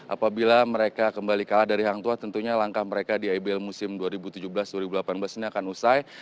apabila mereka kembali kalah dari hangtua tentunya langkah mereka di ibl musim dua ribu tujuh belas dua ribu delapan belas ini akan usai